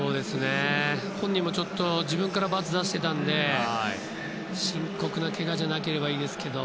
本人もちょっと自分からバツを出していたので深刻なけがじゃなければいいですけど。